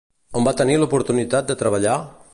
On va tenir l'oportunitat de treballar?